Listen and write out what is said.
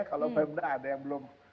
kalau ada yang belum